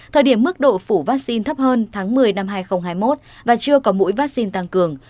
thời điểm mức độ phủ vaccine thấp hơn tháng một mươi năm hai nghìn hai mươi một và chưa có mũi vaccine tăng cường